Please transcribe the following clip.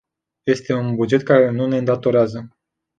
Este un buget care nu ne îndatorează.